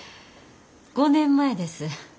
５年前です。